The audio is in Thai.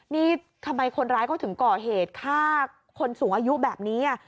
นี่ทำไมคนร้ายเขาถึงก่อเหตุฆ่าคนสูงอายุแบบนี้